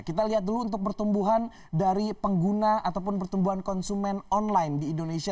kita lihat dulu untuk pertumbuhan dari pengguna ataupun pertumbuhan konsumen online di indonesia